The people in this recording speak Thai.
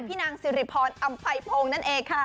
พี่นางซิริพรออำไภพูงนั่นเอง